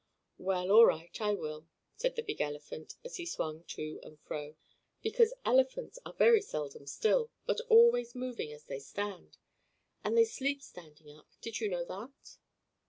"Well, all right, I will," said the big elephant, as he swung to and fro; because elephants are very seldom still, but always moving as they stand. And they sleep standing up did you know that?